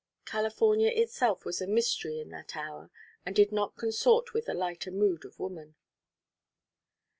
California itself was a mystery in that hour and did not consort with the lighter mood of woman.